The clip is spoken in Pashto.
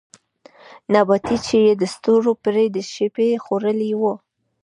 نبات چې يې د ستورو پرې د شپې خـوړلې وو